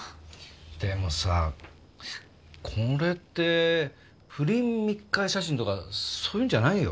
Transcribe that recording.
でもさこれって不倫密会写真とかそういうんじゃないよ